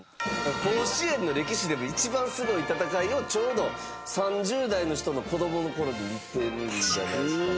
甲子園の歴史で一番すごい戦いをちょうど３０代の人の子どもの頃に見てるんじゃないかな。